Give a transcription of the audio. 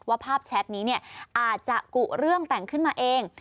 ภาพแชทนี้อาจจะกุเรื่องแต่งขึ้นมาเอง